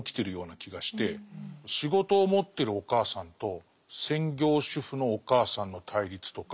仕事を持ってるお母さんと専業主婦のお母さんの対立とか。